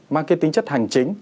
mang cái tính chất hành chính